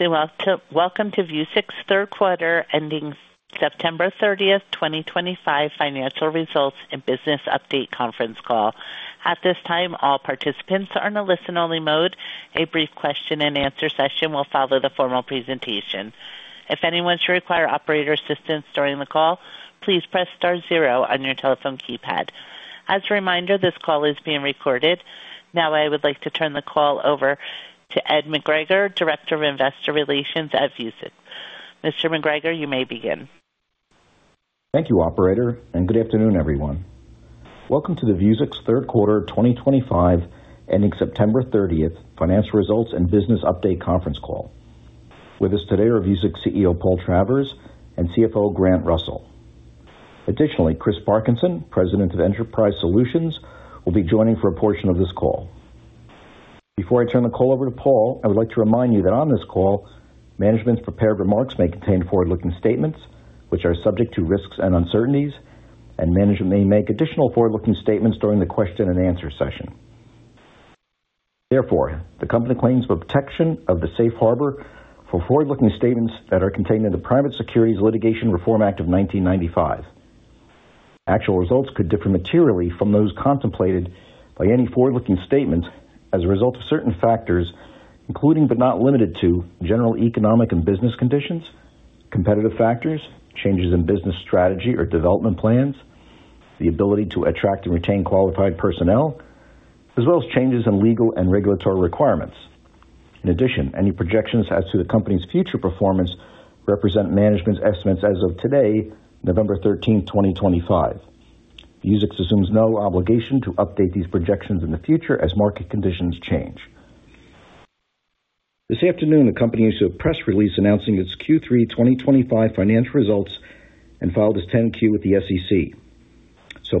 Welcome to Vuzix third quarter ending September 30th, 2025, financial results and business update conference call. At this time, all participants are in a listen-only mode. A brief question-and-answer session will follow the formal presentation. If anyone should require operator assistance during the call, please press star zero on your telephone keypad. As a reminder, this call is being recorded. Now, I would like to turn the call over to Ed McGregor, Director of Investor Relations at Vuzix. Mr. McGregor, you may begin. Thank you, operator, and good afternoon, everyone. Welcome to the Vuzix third quarter 2025, ending September 30th, financial results and business update conference call. With us today are Vuzix CEO Paul Travers and CFO Grant Russell. Additionally, Chris Parkinson, President of Enterprise Solutions, will be joining for a portion of this call. Before I turn the call over to Paul, I would like to remind you that on this call, management's prepared remarks may contain forward-looking statements which are subject to risks and uncertainties, and management may make additional forward-looking statements during the question-and-answer session. Therefore, the company claims the protection of the safe harbor for forward-looking statements that are contained in the Private Securities Litigation Reform Act of 1995. Actual results could differ materially from those contemplated by any forward-looking statements as a result of certain factors, including but not limited to general economic and business conditions, competitive factors, changes in business strategy or development plans, the ability to attract and retain qualified personnel, as well as changes in legal and regulatory requirements. In addition, any projections as to the company's future performance represent management's estimates as of today, November 13th, 2025. Vuzix assumes no obligation to update these projections in the future as market conditions change. This afternoon, the company issued a press release announcing its Q3 2025 financial results and filed its 10-Q with the SEC.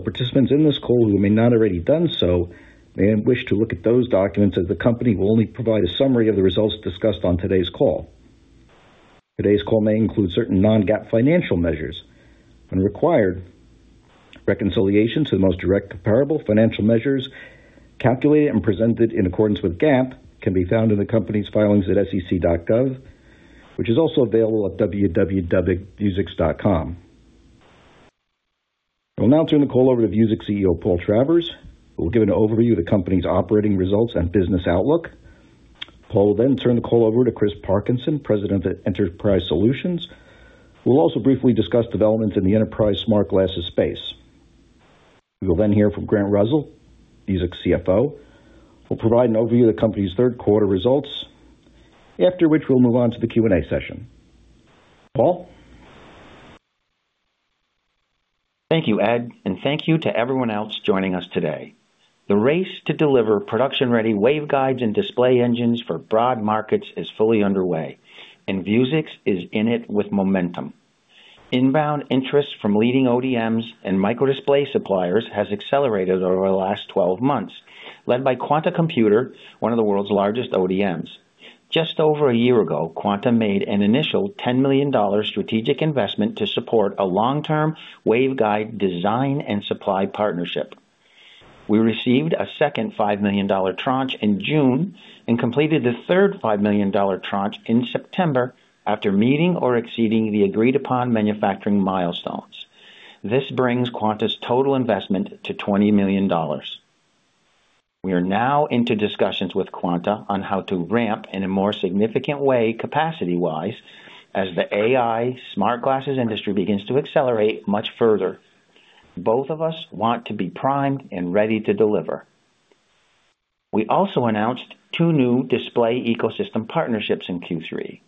Participants in this call who may not have already done so may wish to look at those documents as the company will only provide a summary of the results discussed on today's call. Today's call may include certain non-GAAP financial measures. When required, reconciliations of the most direct comparable financial measures calculated and presented in accordance with GAAP can be found in the company's filings at sec.gov, which is also available at www.vuzix.com. I will now turn the call over to Vuzix CEO Paul Travers, who will give an overview of the company's operating results and business outlook. Paul will then turn the call over to Chris Parkinson, President of Enterprise Solutions. We'll also briefly discuss developments in the enterprise smart glasses space. We will then hear from Grant Russell, Vuzix CFO, who will provide an overview of the company's third quarter results, after which we'll move on to the Q&A session. Paul? Thank you, Ed, and thank you to everyone else joining us today. The race to deliver production-ready waveguides and display engines for broad markets is fully underway, and Vuzix is in it with momentum. Inbound interest from leading ODMs and micro-display suppliers has accelerated over the last 12 months, led by Quanta Computer, one of the world's largest ODMs. Just over a year ago, Quanta made an initial $10 million strategic investment to support a long-term waveguide design and supply partnership. We received a second $5 million tranche in June and completed the third $5 million tranche in September after meeting or exceeding the agreed-upon manufacturing milestones. This brings Quanta's total investment to $20 million. We are now into discussions with Quanta on how to ramp in a more significant way, capacity-wise, as the AI smart glasses industry begins to accelerate much further. Both of us want to be primed and ready to deliver. We also announced two new display ecosystem partnerships in Q3,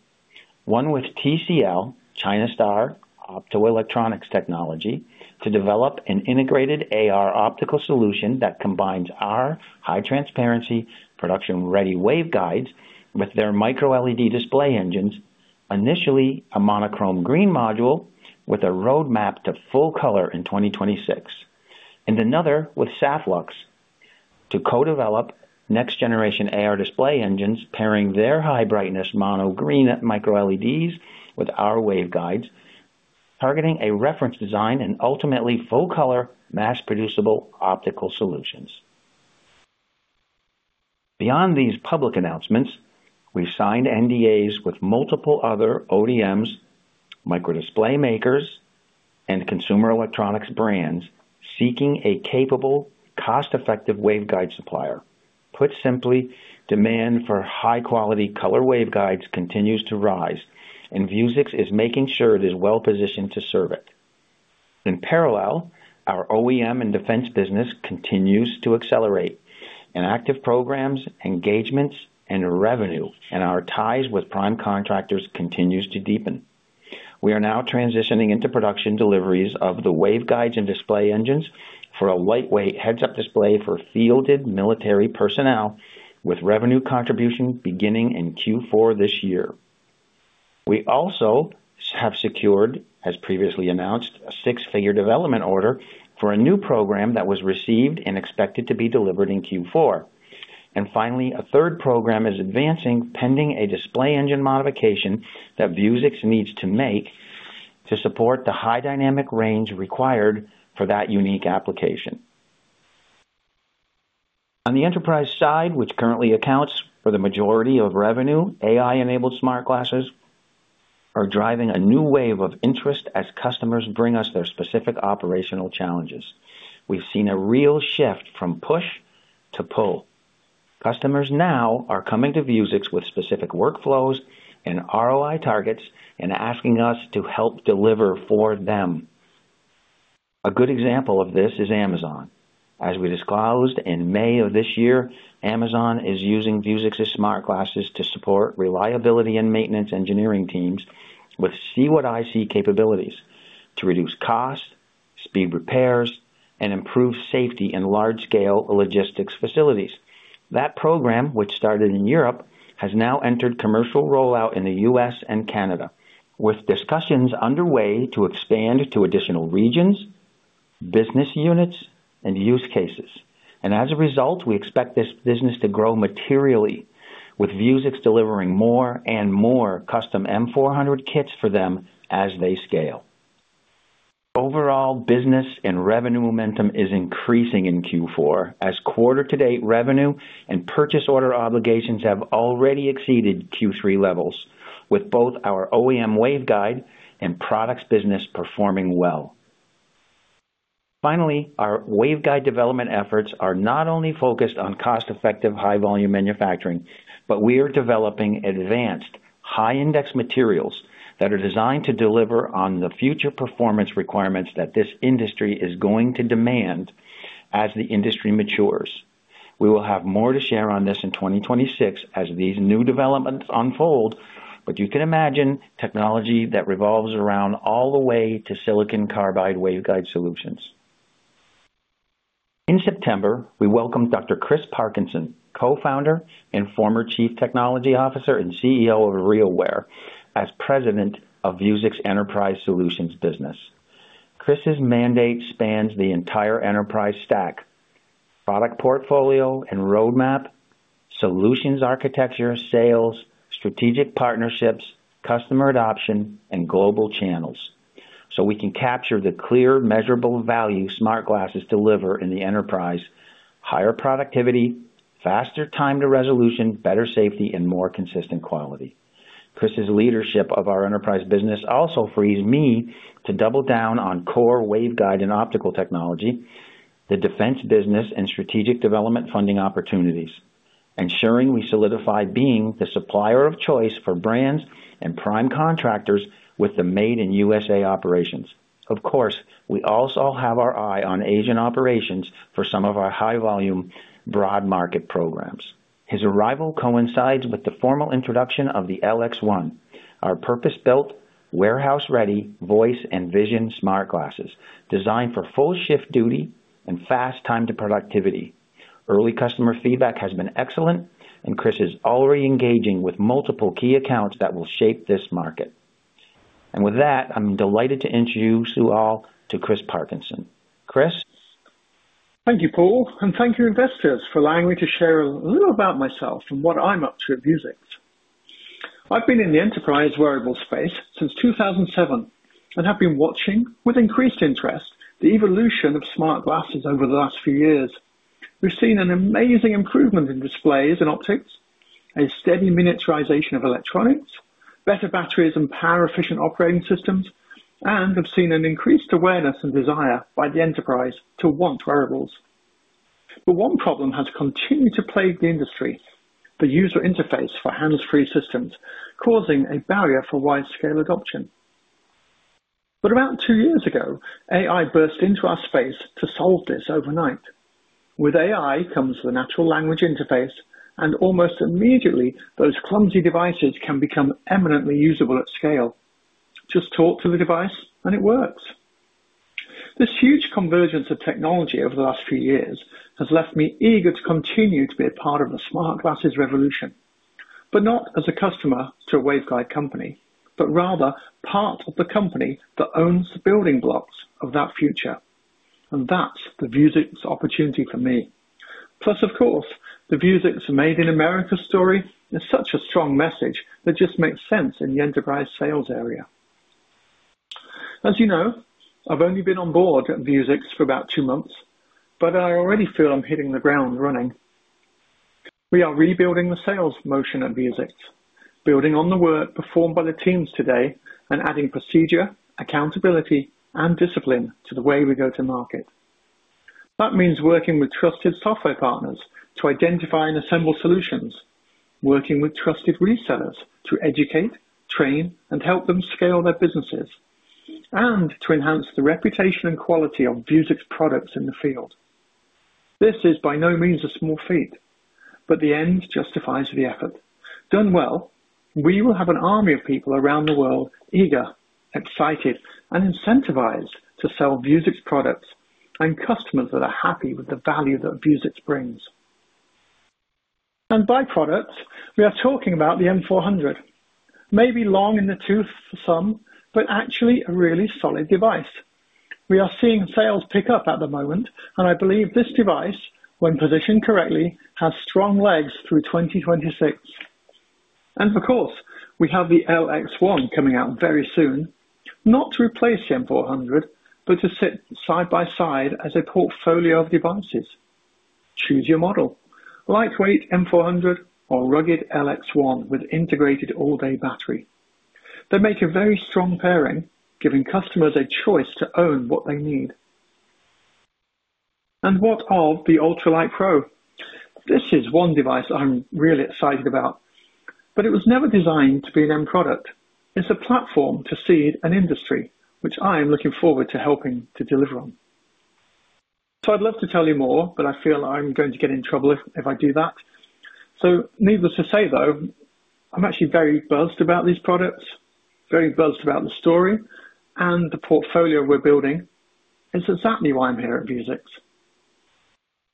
one with TCL, China Star Optoelectronics Technology, to develop an integrated AR optical solution that combines our high-transparency production-ready waveguides with their micro-LED display engines, initially a monochrome green module with a roadmap to full color in 2026, and another with Saphlux to co-develop next-generation AR display engines, pairing their high-brightness mono-green micro-LEDs with our waveguides, targeting a reference design and ultimately full-color, mass-producible optical solutions. Beyond these public announcements, we've signed NDAs with multiple other ODMs, micro-display makers, and consumer electronics brands seeking a capable, cost-effective waveguide supplier. Put simply, demand for high-quality color waveguides continues to rise, and Vuzix is making sure it is well-positioned to serve it. In parallel, our OEM and defense business continues to accelerate, and active programs, engagements, and revenue and our ties with prime contractors continue to deepen. We are now transitioning into production deliveries of the waveguides and display engines for a lightweight heads-up display for fielded military personnel, with revenue contribution beginning in Q4 this year. We also have secured, as previously announced, a six-figure development order for a new program that was received and expected to be delivered in Q4. Finally, a third program is advancing pending a display engine modification that Vuzix needs to make to support the high dynamic range required for that unique application. On the enterprise side, which currently accounts for the majority of revenue, AI-enabled smart glasses are driving a new wave of interest as customers bring us their specific operational challenges. We've seen a real shift from push to pull. Customers now are coming to Vuzix with specific workflows and ROI targets and asking us to help deliver for them. A good example of this is Amazon. As we disclosed in May of this year, Amazon is using Vuzix's smart glasses to support reliability and maintenance engineering teams with see-what-I-see capabilities to reduce cost, speed repairs, and improve safety in large-scale logistics facilities. That program, which started in Europe, has now entered commercial rollout in the U.S. and Canada, with discussions underway to expand to additional regions, business units, and use cases. As a result, we expect this business to grow materially, with Vuzix delivering more and more custom M400 kits for them as they scale. Overall, business and revenue momentum is increasing in Q4 as quarter-to-date revenue and purchase order obligations have already exceeded Q3 levels, with both our OEM waveguide and products business performing well. Finally, our waveguide development efforts are not only focused on cost-effective, high-volume manufacturing, but we are developing advanced high-index materials that are designed to deliver on the future performance requirements that this industry is going to demand as the industry matures. We will have more to share on this in 2026 as these new developments unfold, but you can imagine technology that revolves around all the way to silicon carbide waveguide solutions. In September, we welcomed Dr. Chris Parkinson, Co-Founder and former Chief Technology Officer and CEO of RealWear as President of Vuzix Enterprise Solutions business. Chris's mandate spans the entire enterprise stack, product portfolio and roadmap, solutions architecture, sales, strategic partnerships, customer adoption, and global channels. We can capture the clear, measurable value smart glasses deliver in the enterprise: higher productivity, faster time to resolution, better safety, and more consistent quality. Chris's leadership of our enterprise business also frees me to double down on core waveguide and optical technology, the defense business, and strategic development funding opportunities, ensuring we solidify being the supplier of choice for brands and prime contractors with the made-in-U.S.A. operations. Of course, we also have our eye on Asian operations for some of our high-volume broad market programs. His arrival coincides with the formal introduction of the LX1, our purpose-built, warehouse-ready voice and vision smart glasses designed for full shift duty and fast time to productivity. Early customer feedback has been excellent, and Chris is already engaging with multiple key accounts that will shape this market. With that, I'm delighted to introduce you all to Chris Parkinson. Chris. Thank you, Paul, and thank you, investors, for allowing me to share a little about myself and what I'm up to at Vuzix. I've been in the enterprise wearable space since 2007 and have been watching with increased interest the evolution of smart glasses over the last few years. We've seen an amazing improvement in displays and optics, a steady miniaturization of electronics, better batteries and power-efficient operating systems, and have seen an increased awareness and desire by the enterprise to want wearables. One problem has continued to plague the industry: the user interface for hands-free systems, causing a barrier for wide-scale adoption. About two years ago, AI burst into our space to solve this overnight. With AI comes the natural language interface, and almost immediately, those clumsy devices can become eminently usable at scale. Just talk to the device and it works. This huge convergence of technology over the last few years has left me eager to continue to be a part of the smart glasses revolution, but not as a customer to a waveguide company, but rather part of the company that owns the building blocks of that future. That is the Vuzix opportunity for me. Plus, of course, the Vuzix made-in-America story is such a strong message that just makes sense in the enterprise sales area. As you know, I have only been on board at Vuzix for about two months, but I already feel I am hitting the ground running. We are rebuilding the sales motion at Vuzix, building on the work performed by the teams today and adding procedure, accountability, and discipline to the way we go to market. That means working with trusted software partners to identify and assemble solutions, working with trusted resellers to educate, train, and help them scale their businesses, and to enhance the reputation and quality of Vuzix products in the field. This is by no means a small feat, but the end justifies the effort. Done well, we will have an army of people around the world eager, excited, and incentivized to sell Vuzix products and customers that are happy with the value that Vuzix brings. By products, we are talking about the M400. Maybe long in the tooth for some, but actually a really solid device. We are seeing sales pick up at the moment, and I believe this device, when positioned correctly, has strong legs through 2026. Of course, we have the LX1 coming out very soon, not to replace the M400, but to sit side by side as a portfolio of devices. Choose your model: lightweight M400 or rugged LX1 with integrated all-day battery. They make a very strong pairing, giving customers a choice to own what they need. And what of the Ultralight Pro? This is one device I'm really excited about, but it was never designed to be an end product. It's a platform to seed an industry, which I am looking forward to helping to deliver on. I'd love to tell you more, but I feel I'm going to get in trouble if I do that. Needless to say, though, I'm actually very buzzed about these products, very buzzed about the story and the portfolio we're building. It's exactly why I'm here at Vuzix.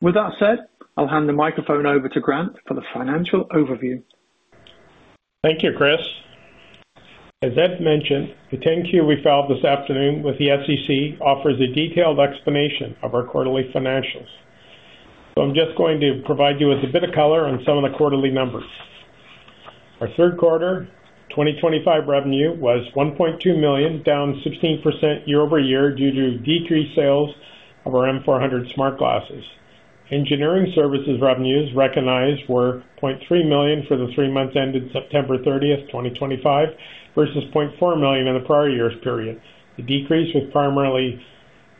With that said, I'll hand the microphone over to Grant for the financial overview. Thank you, Chris. As Ed mentioned, the 10-Q we filed this afternoon with the FCC offers a detailed explanation of our quarterly financials. So I'm just going to provide you with a bit of color on some of the quarterly numbers. Our third quarter 2025 revenue was $1.2 million, down 16% year-over-year due to decreased sales of our M400 smart glasses. Engineering services revenues recognized were $0.3 million for the three months ended September 30, 2025, versus $0.4 million in the prior year's period. The decrease was primarily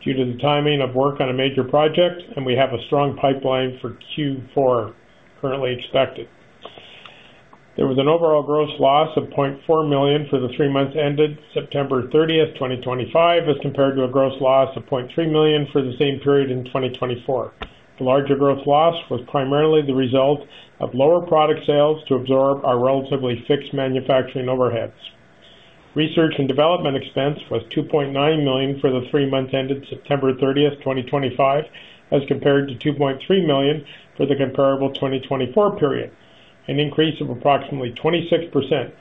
due to the timing of work on a major project, and we have a strong pipeline for Q4 currently expected. There was an overall gross loss of $0.4 million for the three months ended September 30th, 2025, as compared to a gross loss of $0.3 million for the same period in 2024. The larger gross loss was primarily the result of lower product sales to absorb our relatively fixed manufacturing overheads. Research and development expense was $2.9 million for the three months ended September 30th, 2025, as compared to $2.3 million for the comparable 2024 period, an increase of approximately 26%,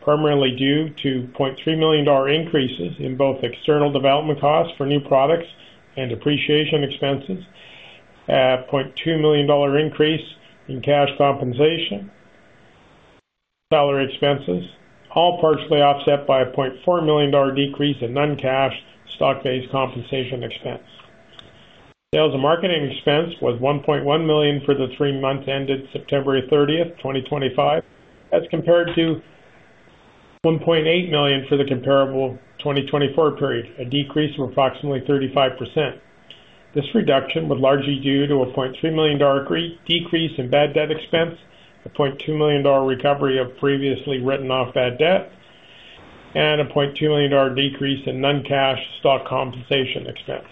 primarily due to $0.3 million increases in both external development costs for new products and depreciation expenses, a $0.2 million increase in cash compensation, salary expenses, all partially offset by a $0.4 million decrease in non-cash stock-based compensation expense. Sales and marketing expense was $1.1 million for the three months ended September 30th, 2025, as compared to $1.8 million for the comparable 2024 period, a decrease of approximately 35%. This reduction was largely due to a $0.3 million decrease in bad debt expense, a $0.2 million recovery of previously written-off bad debt, and a $0.2 million decrease in non-cash stock compensation expense.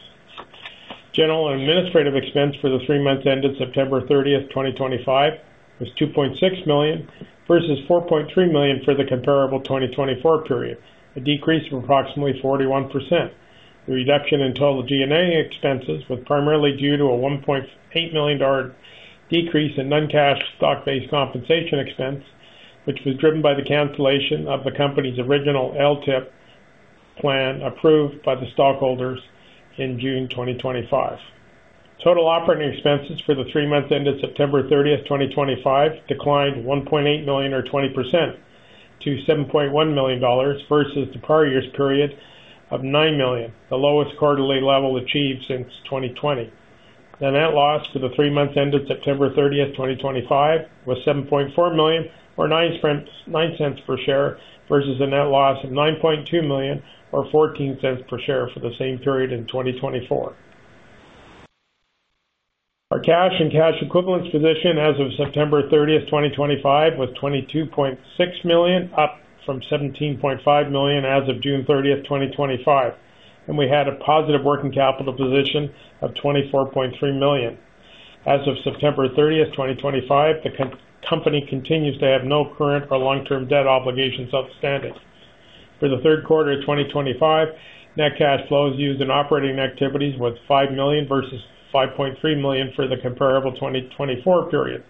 General and administrative expense for the three months ended September 30th, 2025, was $2.6 million versus $4.3 million for the comparable 2024 period, a decrease of approximately 41%. The reduction in total G&A expenses was primarily due to a $1.8 million decrease in non-cash stock-based compensation expense, which was driven by the cancellation of the company's original LTIP plan approved by the stockholders in June 2025. Total operating expenses for the three months ended September 30th, 2025, declined $1.8 million or 20% to $7.1 million versus the prior year's period of $9 million, the lowest quarterly level achieved since 2020. The net loss for the three months ended September 30th, 2025, was $7.4 million or $0.09 per share versus a net loss of $9.2 million or $0.14 per share for the same period in 2024. Our cash and cash equivalents position as of September 30, 2025, was $22.6 million, up from $17.5 million as of June 30th, 2025, and we had a positive working capital position of $24.3 million. As of September 30th, 2025, the company continues to have no current or long-term debt obligations outstanding. For the third quarter of 2025, net cash flows used in operating activities were $5 million versus $5.3 million for the comparable 2024 period.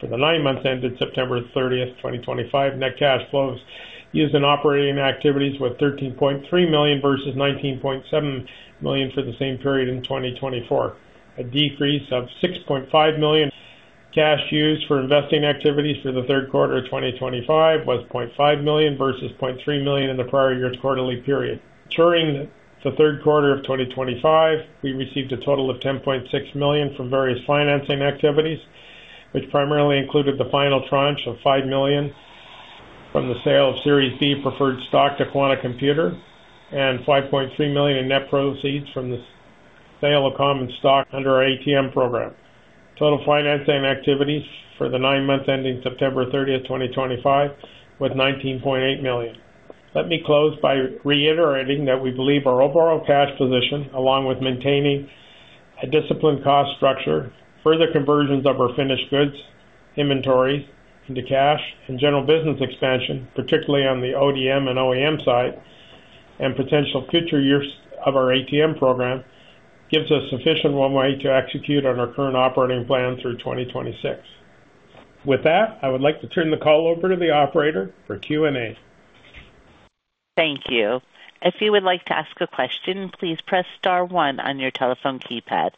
For the nine months ended September 30, 2025, net cash flows used in operating activities were $13.3 million versus $19.7 million for the same period in 2024, a decrease of $6.5 million. Cash used for investing activities for the third quarter of 2025 was $0.5 million versus $0.3 million in the prior year's quarterly period. During the third quarter of 2025, we received a total of $10.6 million from various financing activities, which primarily included the final tranche of $5 million from the sale of Series B preferred stock to Quanta Computer and $5.3 million in net proceeds from the sale of common stock under our ATM program. Total financing activities for the nine months ending September 30th, 2025, were $19.8 million. Let me close by reiterating that we believe our overall cash position, along with maintaining a disciplined cost structure, further conversions of our finished goods, inventories into cash, and general business expansion, particularly on the ODM and OEM side, and potential future years of our ATM program, gives us sufficient runway to execute on our current operating plan through 2026. With that, I would like to turn the call over to the operator for Q&A. Thank you. If you would like to ask a question, please press star one on your telephone keypad.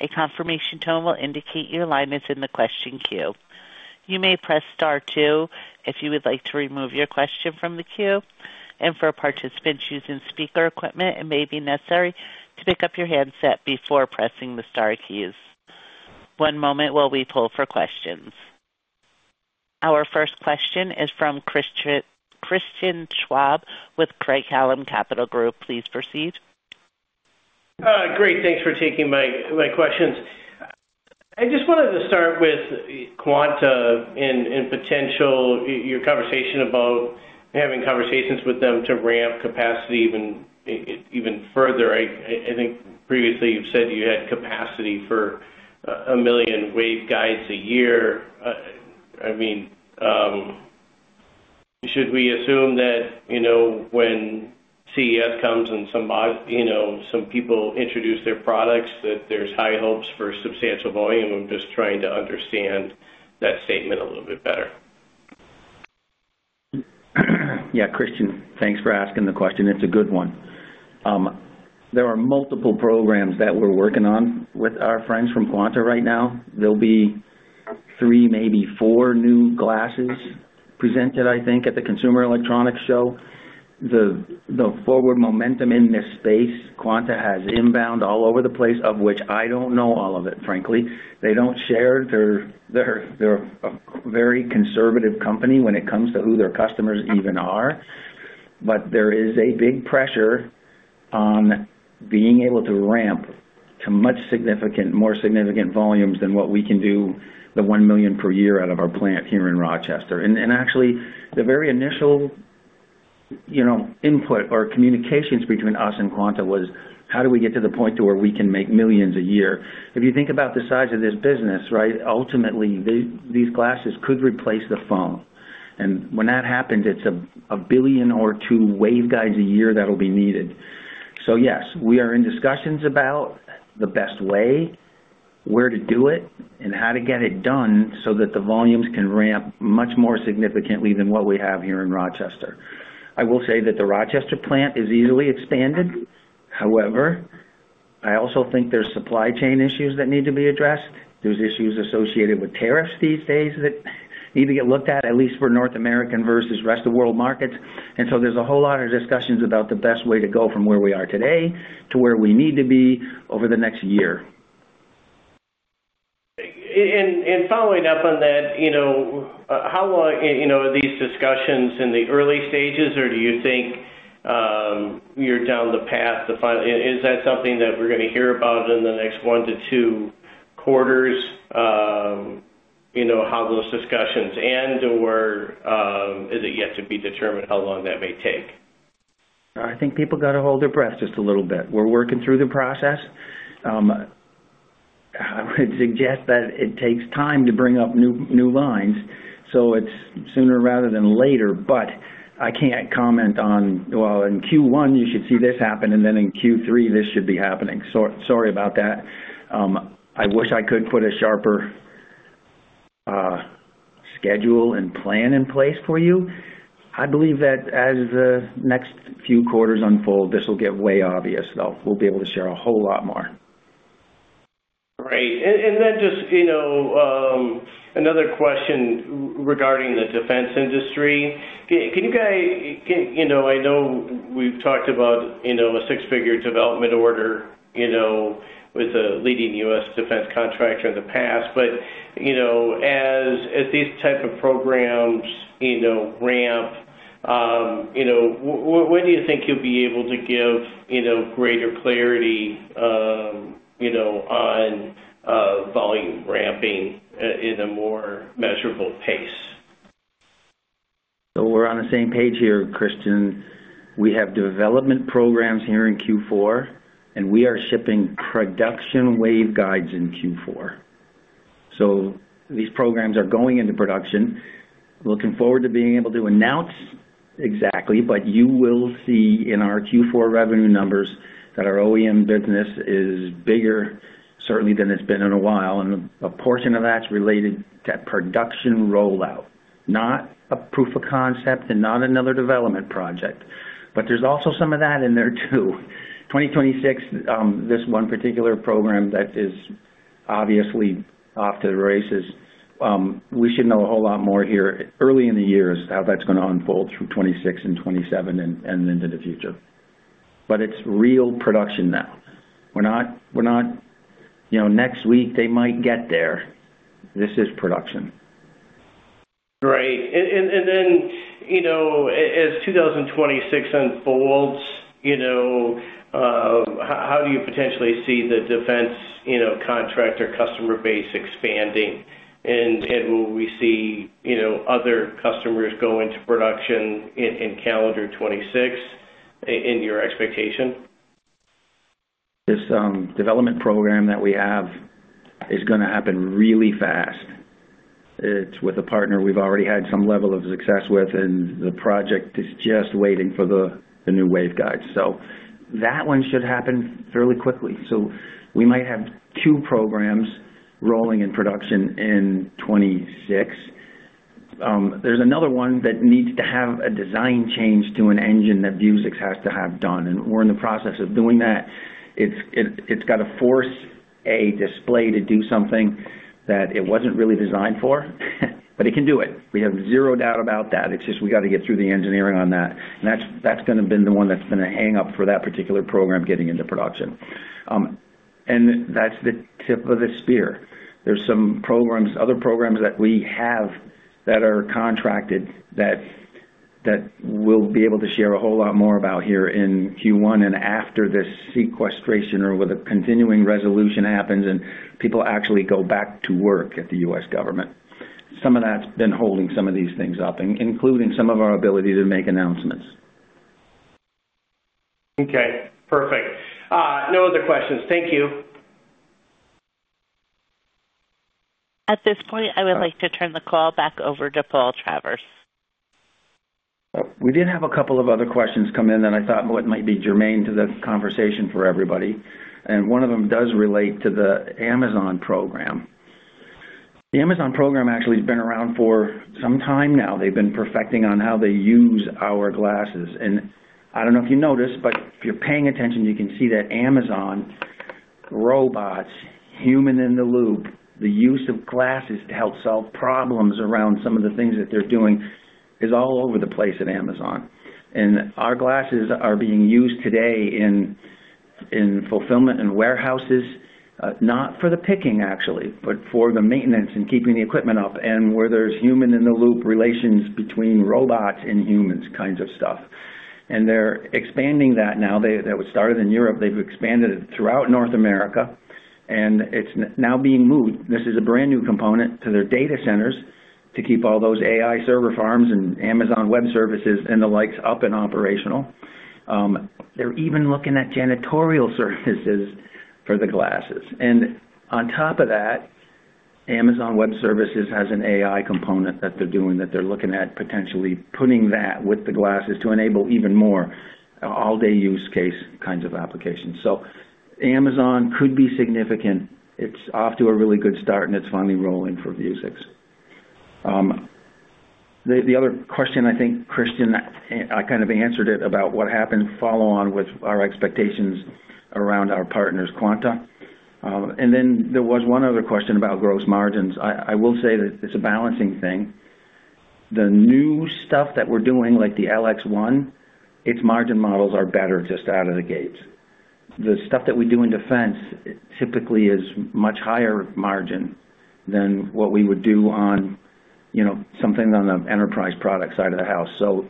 A confirmation tone will indicate your alignment in the question queue. You may press star two if you would like to remove your question from the queue. For participants using speaker equipment, it may be necessary to pick up your handset before pressing the star keys. One moment while we pull for questions. Our first question is from Christian Schwab with Craig-Hallum Capital Group. Please proceed. Great. Thanks for taking my questions. I just wanted to start with Quanta and potential your conversation about having conversations with them to ramp capacity even further. I think previously you've said you had capacity for a million waveguides a year. I mean, should we assume that when CEF comes and some people introduce their products, that there's high hopes for substantial volume? I'm just trying to understand that statement a little bit better. Yeah, Christian, thanks for asking the question. It's a good one. There are multiple programs that we're working on with our friends from Quanta right now. There'll be three, maybe four new glasses presented, I think, at the Consumer Electronics Show. The forward momentum in this space, Quanta has inbound all over the place, of which I don't know all of it, frankly. They don't share. They're a very conservative company when it comes to who their customers even are. There is a big pressure on being able to ramp to much more significant volumes than what we can do, the one million per year out of our plant here in Rochester. Actually, the very initial input or communications between us and Quanta was, how do we get to the point to where we can make millions a year? If you think about the size of this business, right, ultimately, these glasses could replace the phone. When that happens, it's a billion or two waveguides a year that'll be needed. Yes, we are in discussions about the best way, where to do it, and how to get it done so that the volumes can ramp much more significantly than what we have here in Rochester. I will say that the Rochester plant is easily expanded. However, I also think there's supply chain issues that need to be addressed. There are issues associated with tariffs these days that need to get looked at, at least for North American versus the rest of the world markets. There is a whole lot of discussions about the best way to go from where we are today to where we need to be over the next year. Following up on that, how long are these discussions in the early stages, or do you think you're down the path to find? Is that something that we're going to hear about in the next one to two quarters, how those discussions end, or is it yet to be determined how long that may take? I think people got to hold their breath just a little bit. We're working through the process. I would suggest that it takes time to bring up new lines. It's sooner rather than later. I can't comment on, well, in Q1, you should see this happen, and then in Q3, this should be happening. Sorry about that. I wish I could put a sharper schedule and plan in place for you. I believe that as the next few quarters unfold, this will get way obvious, though. We'll be able to share a whole lot more. Great. Just another question regarding the defense industry. Can you guys—I know we've talked about a six-figure development order with a leading U.S. defense contractor in the past. As these types of programs ramp, when do you think you'll be able to give greater clarity on volume ramping in a more measurable pace? We're on the same page here, Christian. We have development programs here in Q4, and we are shipping production waveguides in Q4. These programs are going into production. Looking forward to being able to announce exactly, but you will see in our Q4 revenue numbers that our OEM business is bigger, certainly, than it's been in a while. A portion of that's related to production rollout, not a proof of concept and not another development project. There's also some of that in there too. 2026, this one particular program that is obviously off to the races, we should know a whole lot more here early in the year as to how that's going to unfold through 2026 and 2027 and into the future. It's real production now. We're not—next week, they might get there. This is production. Great. As 2026 unfolds, how do you potentially see the defense contractor customer base expanding? Will we see other customers go into production in calendar 2026? Any of your expectation? This development program that we have is going to happen really fast. It's with a partner we've already had some level of success with, and the project is just waiting for the new waveguides. That one should happen fairly quickly. We might have two programs rolling in production in 2026. There's another one that needs to have a design change to an engine that Vuzix has to have done. We're in the process of doing that. It's got to force a display to do something that it wasn't really designed for, but it can do it. We have zero doubt about that. It's just we got to get through the engineering on that. That's going to have been the one that's going to hang up for that particular program getting into production. That's the tip of the spear. There's some other programs that we have that are contracted that we'll be able to share a whole lot more about here in Q1 and after this sequestration or where the continuing resolution happens and people actually go back to work at the U.S. government. Some of that's been holding some of these things up, including some of our ability to make announcements. Okay. Perfect. No other questions. Thank you. At this point, I would like to turn the call back over to Paul Travers. We did have a couple of other questions come in that I thought might be germane to the conversation for everybody. One of them does relate to the Amazon program. The Amazon program actually has been around for some time now. They've been perfecting on how they use our glasses. I don't know if you noticed, but if you're paying attention, you can see that Amazon robots, human in the loop, the use of glasses to help solve problems around some of the things that they're doing is all over the place at Amazon. Our glasses are being used today in fulfillment and warehouses, not for the picking, actually, but for the maintenance and keeping the equipment up and where there's human in the loop relations between robots and humans kinds of stuff. They're expanding that now. That was started in Europe. They've expanded it throughout North America. It is now being moved. This is a brand new component to their data centers to keep all those AI server farms and Amazon Web Services and the likes up and operational. They're even looking at janitorial services for the glasses. On top of that, Amazon Web Services has an AI component that they're doing that they're looking at potentially putting that with the glasses to enable even more all-day use case kinds of applications. Amazon could be significant. It is off to a really good start, and it is finally rolling for Vuzix. The other question, I think, Christian, I kind of answered it about what happened, follow on with our expectations around our partners, Quanta. There was one other question about gross margins. I will say that it is a balancing thing. The new stuff that we're doing, like the LX1, its margin models are better just out of the gates. The stuff that we do in defense typically is much higher margin than what we would do on something on the enterprise product side of the house.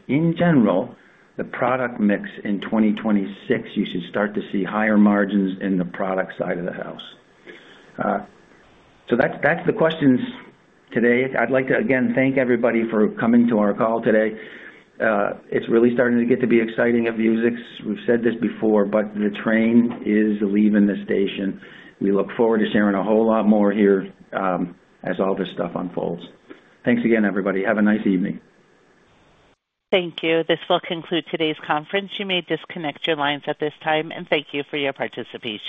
In general, the product mix in 2026, you should start to see higher margins in the product side of the house. That's the questions today. I'd like to, again, thank everybody for coming to our call today. It's really starting to get to be exciting at Vuzix. We've said this before, but the train is leaving the station. We look forward to sharing a whole lot more here as all this stuff unfolds. Thanks again, everybody. Have a nice evening. Thank you. This will conclude today's conference. You may disconnect your lines at this time. Thank you for your participation.